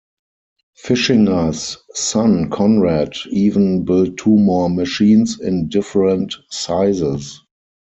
Fischinger's son Conrad even built two more machines in different sizes.